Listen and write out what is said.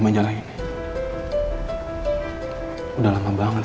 kemana elsa papa yang dulu